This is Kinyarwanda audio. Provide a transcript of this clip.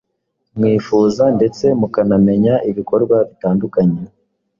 mwifuza ndetse mukanamenya ibikorwa bitandukanye